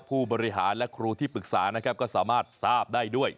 ผู้บริหารและครูที่ปรึกษานะครับก็สามารถทราบได้ด้วย